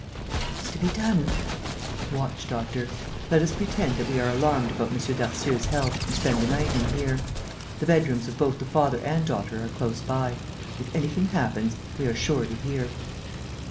"What's to be done?" "Watch, doctor. Let us pretend that we are alarmed about M. Darcieux's health and spend the night in here. The bedrooms of both the father and daughter are close by. If anything happens, we are sure to hear."